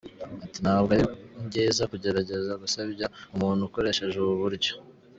Ati “Ntabwo ari byiza kugerageza gusebya umuntu ukoresheje ubu buryo.